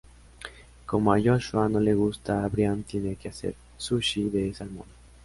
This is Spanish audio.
Como a Joshua no le gusta, Brian tiene que hacer sushi de salmón.